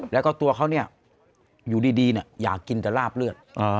แล้วก็ตัวเขาอยู่ดีอยากกินแต่ราบเลือด